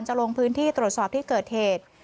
ลงพื้นที่ตรวจสอบที่เกิดเหตุ